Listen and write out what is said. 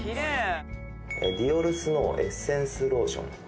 ディオールスノーエッセンスローション。